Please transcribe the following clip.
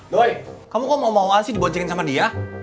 doi kamu kok mau mauan sih diboncengin sama dia